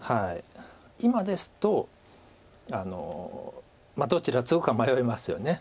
今ですとどちらツグか迷いますよね。